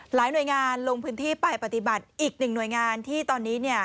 หลายหน่วยงานลงพื้นที่ไปปฏิบัติอีกหนึ่งหน่วยงานที่ตอนนี้เนี่ย